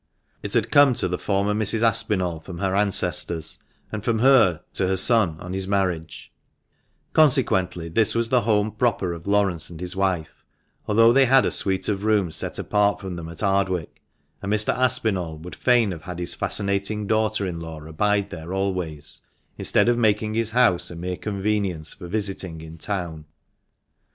It had come to the former Mrs. Aspinall from her ancestors, and from her to her son on his marriage ; consequently this was the home proper of Laurence and his wife, although they had a suite of rooms set apart for them at Ardwick, and Mr. Aspinall would fain have had his fascinating daughter in law abide there always, instead of making his house a mere convenience for visiting in town.